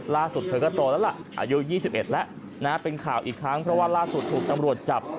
ล่าสุดเธอก็โตแล้วล่ะอายุยี่สิบเอ็ดแล้วนะฮะเป็นข่าวอีกครั้งเพราะว่าล่าสุดถูกตำรวจจับ